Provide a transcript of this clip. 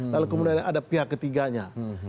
lalu kemudian ada pihak ketiganya